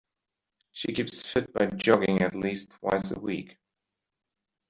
She keeps fit by jogging at least twice a week.